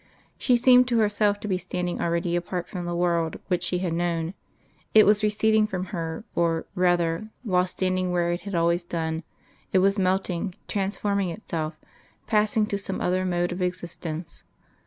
She seemed to herself to be standing already apart from the world which she had known; it was receding from her, or, rather, while standing where it had always done, it was melting, transforming itself, passing to some other mode of existence.